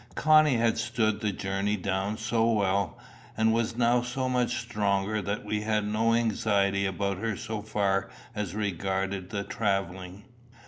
Connie had stood the journey down so well, and was now so much stronger, that we had no anxiety about her so far as regarded the travelling.